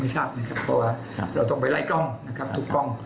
เพราะว่าเราต้องไปไล่กล้องนะครับตรงกล้อง